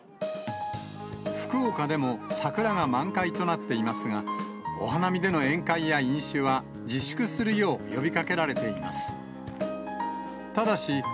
福岡でも桜が満開となっていますが、お花見での宴会や飲酒は自粛するよう呼びかけられています。